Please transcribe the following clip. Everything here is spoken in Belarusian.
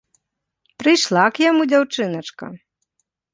Прыйшла к яму дзяўчыначка!